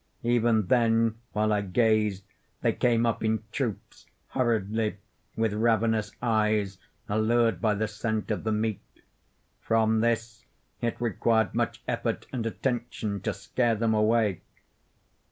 Even then, while I gazed, they came up in troops, hurriedly, with ravenous eyes, allured by the scent of the meat. From this it required much effort and attention to scare them away.